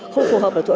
không phù hợp ở chỗ